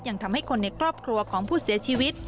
ยังทำให้คนในครอบครัวของผู้เสียชีวิต